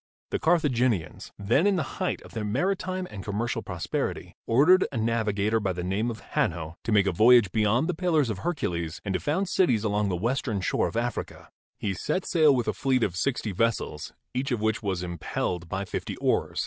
the Carthaginians, then in the height of their maritime and commercial prosperity, ordered a navigator by the name of Hanno to make a voyage beyond the Pillars of Hercules and to found cities along the western shore of« Africa. He set sail with a fleet of sixty vessels, each of which was impelled by fifty oars.